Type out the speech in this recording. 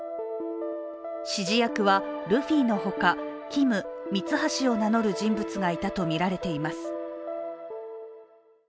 指示役はルフィのほか、キム、ミツハシを名乗る人物がいたとみられています